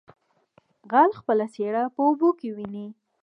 ـ غل خپله څېره په اوبو کې ويني.